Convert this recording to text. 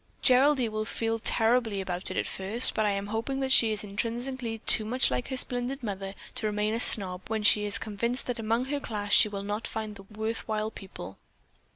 "Geraldine will feel terribly about it at first, but I am hoping that she is intrinsically too much like her splendid mother to remain a snob when she is convinced that among that class she will not find the worth while people.